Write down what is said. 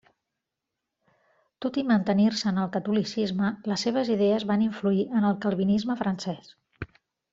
Tot i mantenir-se en el catolicisme, les seves idees van influir en el calvinisme francès.